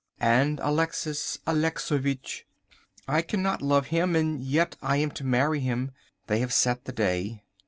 And Alexis Alexovitch! I cannot love him. And yet I am to marry him. They have set the day.